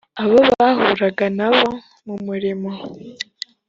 abo bahuraga na bo mu murimo